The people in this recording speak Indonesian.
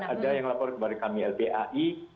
ada yang lapor kepada kami lpai